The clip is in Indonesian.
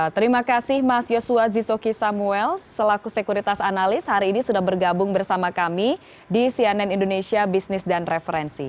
terima kasih mas yosua zizoki samuel selaku sekuritas analis hari ini sudah bergabung bersama kami di cnn indonesia bisnis dan referensi